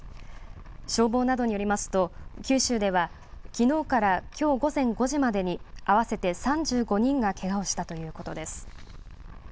消防などによりますと九州ではきのうからきょう午前５時までに合わせて３５人がけがをしたということです。